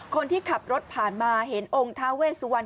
คนที่ขับรถผ่านมาเห็นองค์ท้าเวสวรรณ